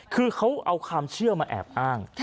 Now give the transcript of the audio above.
คือเขาเอาความเชื่อมาแอบอ้าง